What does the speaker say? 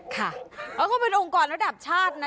เขาก็เป็นองค์กรระดับชาตินะ